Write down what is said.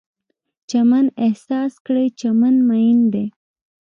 چمن احساس کړئ، چمن میین دی